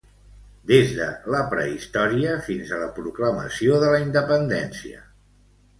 Des de la prehistòria fins a la proclamació de la independència.